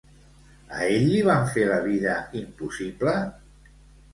A ell li van fer la vida impossible?